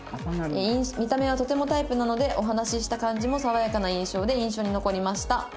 「見た目はとてもタイプなのでお話しした感じも爽やかな印象で印象に残りました」